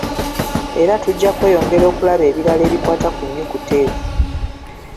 Era tujja kweyongera okulaba ebirala ebikwata ku nnyukuta ezo.